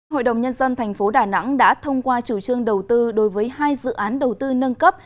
hội đồng nhân dân thành phố đà nẵng đã thông qua chủ trương đầu tư đối với hai dự án đầu tư nâng cấp